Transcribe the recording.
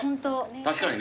確かにね。